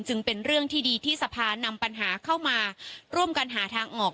เป็นเรื่องที่ดีที่สภานำปัญหาเข้ามาร่วมกันหาทางออก